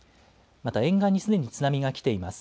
また沿岸にすでに津波が来ています。